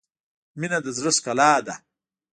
• مینه د زړۀ ښکلا ده.